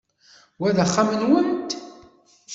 Wa d axxam-nwent?